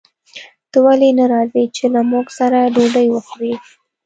ته ولې نه راځې چې له موږ سره ډوډۍ وخورې